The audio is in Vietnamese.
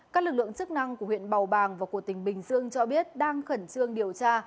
các lực lượng chức năng của huyện bào bàng và của tỉnh bình dương cho biết đang khẩn trương điều tra